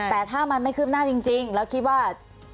และถ้ามันไม่ขึ้นหน้าจริงจริงแล้วคิดว่า